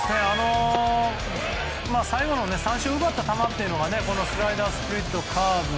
最後の三振を奪った球というのがスライダー、スプリットカーブ。